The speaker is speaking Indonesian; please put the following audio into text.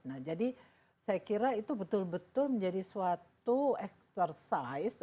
nah jadi saya kira itu betul betul menjadi suatu exercise